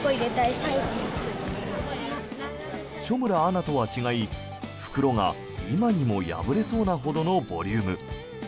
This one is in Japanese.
所村アナとは違い袋が今にも破れそうなほどのボリューム。